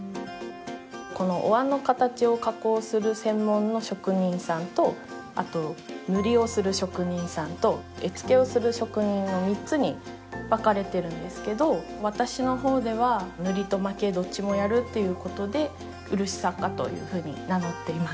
このおわんの形を加工する専門の職人さんとあと塗りをする職人さんと絵付けをする職人の３つに分かれてるんですけど私の方では塗りと蒔絵どっちもやるっていうことでうるし作家というふうに名乗っています